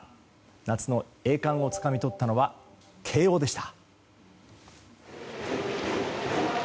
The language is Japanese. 夏の栄冠をつかみ取ったのは慶応でした。